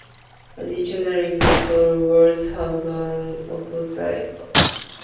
Additionally, not all words have an opposite.